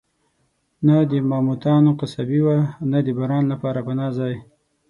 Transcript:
نه د ماموتانو قصابي وه، نه د باران لپاره پناه ځای.